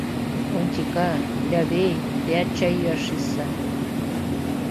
Онтика, Лявей, теат чай йӱаш шичса!